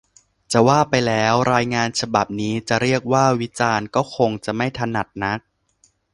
จะว่าไปแล้ว รายงานฉบับนี้จะเรียกว่า วิจารณ์ ก็คงจะไม่ถนัดนัก